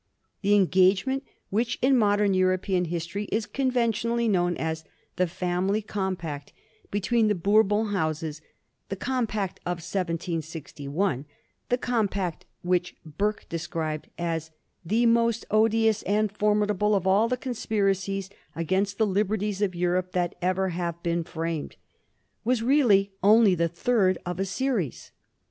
The engagement, which in modern European history is conventionally known as " the family compact " between the Bourbon Houses, the compact of 1761, the compact which Burke described as ^Hhe most odious and formidable of all the conspiracies against the liberties of Europe that ever have been framed," was really only the third of a series.